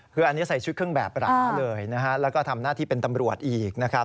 คืออันนี้ใส่ชุดเครื่องแบบหราเลยนะฮะแล้วก็ทำหน้าที่เป็นตำรวจอีกนะครับ